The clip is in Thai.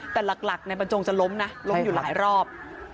แต่หลักในบรรจงจะล้มนะล้มอยู่หลายรอบ